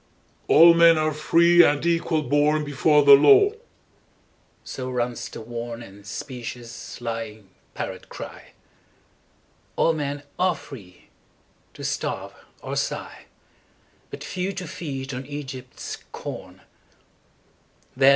'ALL men are free and equal bornBefore the Law!' So runs the wornAnd specious, lying, parrot cry. All men are free—to starve or sigh; But few to feed on Egypt's corn.